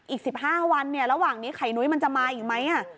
อีก๑๕วันระหว่างนี้ไข่นุ้ยมันจะมาอีกไหม